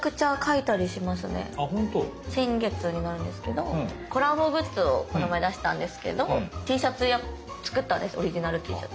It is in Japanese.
先月になるんですけどコラボグッズをこの前出したんですけどＴシャツ作ったんですオリジナルＴシャツ。